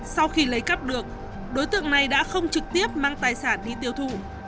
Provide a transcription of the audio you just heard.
sau khi lấy cắp được đối tượng này đã không trực tiếp mang tài sản đi tiêu thụ